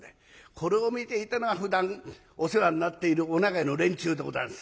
これを見ていたのはふだんお世話になっているお長屋の連中でございます。